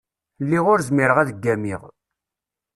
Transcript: Lliɣ ur zmireɣ ad ggamiɣ.